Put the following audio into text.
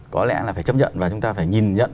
có lẽ là phải chấp nhận và chúng ta phải nhìn nhận